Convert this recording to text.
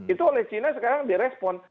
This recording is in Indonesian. itu oleh china sekarang direspon